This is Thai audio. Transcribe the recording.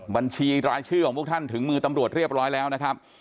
บัญชีรายชื่อของพวกท่านถึงมือตำรวจเรียบร้อยแล้วนะครับ